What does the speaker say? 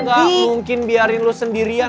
gue gak mungkin biarin lo sendirian